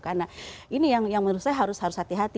karena ini yang menurut saya harus hati hati